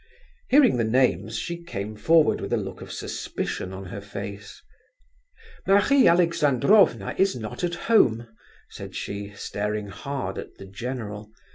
Hearing the names she came forward with a look of suspicion on her face. "Marie Alexandrovna is not at home," said she, staring hard at the general.